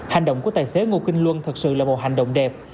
hành động của tài xế ngô kinh luân thật sự là một hành động đẹp